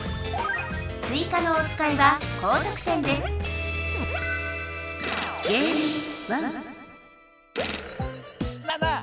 追加のおつかいは高得点ですなあなあ